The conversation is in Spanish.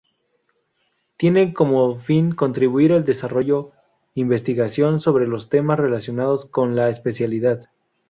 Tienen como fin contribuir al desarrollo, investigación sobre los temas relacionados con la especialidad.